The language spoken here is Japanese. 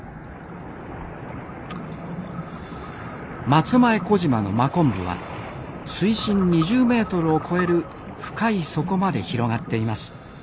松前小島の真昆布は水深２０メートルを超える深い底まで広がっています。